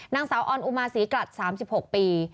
นางสาวออนอุมาศรีกรัฐ๓๖ปี